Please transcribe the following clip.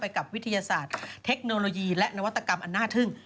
กับวิทยาศาสตร์เทคโนโลยีและนวัตกรรมอันน่าทึ่ง